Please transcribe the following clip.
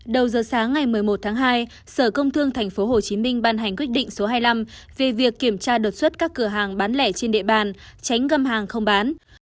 đầu giờ sáng ngày một mươi một tháng hai sở công thương tp hcm ban hành quyết định số hai mươi năm về việc kiểm tra đột xuất các cửa hàng bán lẻ trên địa bàn tránh gâm hàng không bán